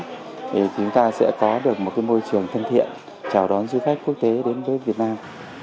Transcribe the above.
thì chúng ta sẽ có được một cái môi trường thân thiện chào đón du khách quốc tế đến với việt nam